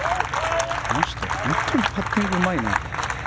この人本当にパッティングうまいな。